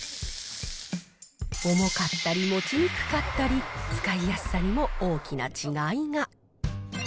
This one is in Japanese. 重かったり、持ちにくかったり、使いやすさにも大きな違いが。